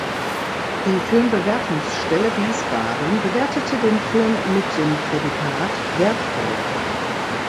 Die Filmbewertungsstelle Wiesbaden bewertete den Film mit dem Prädikat „Wertvoll“.